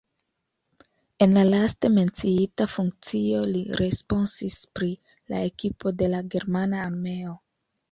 En la laste menciita funkcio li responsis pri la ekipo de la germana armeo.